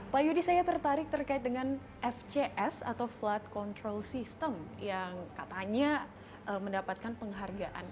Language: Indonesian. pak yudi saya tertarik terkait dengan fcs atau flood control system yang katanya mendapatkan penghargaan